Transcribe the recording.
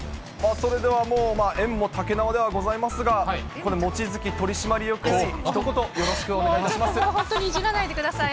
それではもう宴もたけなわではございますが、これ、望月取締役、もうちょっと本当にいじらないでください。